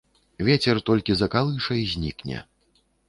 Вецер толькі закалыша і знікне.